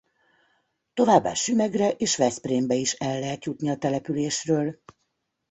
Továbbá Sümegre és Veszprémbe is el lehet jutni a településről.